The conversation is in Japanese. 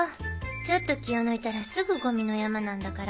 ちょっと気を抜いたらすぐゴミの山なんだから。